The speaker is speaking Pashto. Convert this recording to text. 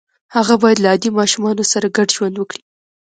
هغه باید له عادي ماشومانو سره ګډ ژوند وکړي